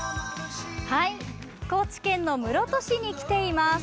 高知県の室戸市に来ています。